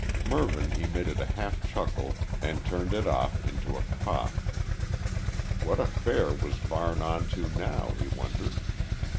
Mervyn emitted a half chuckle and turned it off into a cough. What affair was Varne on to now, he wondered?